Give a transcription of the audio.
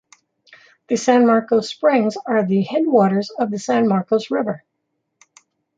The San Marcos Springs are the headwaters of the San Marcos River.